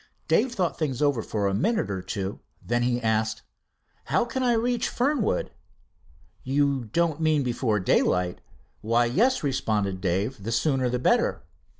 Dave thought things over for a minute or two. Then he asked: "How can I reach Fernwood?" "You don't mean before daylight?" "Why, yes," responded Dave, "the sooner the better."